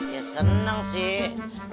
ya senang sih